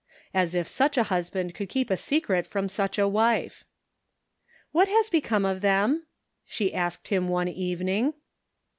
As if such a husband could keep a secret from such a wife !" What has become of them ?" she asked him one evening.